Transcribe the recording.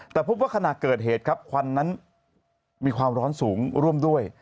แต่พบว่าขณะเกิดเหตุครับควันนั้นมีความร้อนสูงร่วมด้วย